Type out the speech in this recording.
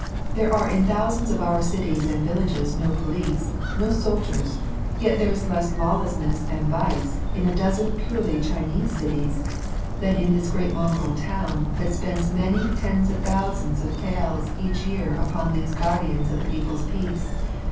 There are in thousands of our cities and villages no police, no soldiers, yet there is less lawlessness and vice in a dozen purely Chinese cities than in this great mongrel town that spends many tens of thousands of taels each year upon these guardians of the people's peace.